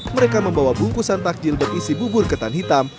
mereka membawa bungkusan takjil berisi bubur ketan hitam